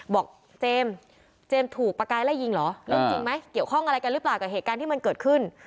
บอกเจมส์เจมส์ถูกประกายไล่ยิงเหรอเรื่องจริงไหมเกี่ยวข้องอะไรกันหรือเปล่ากับเหตุการณ์ที่มันเกิดขึ้น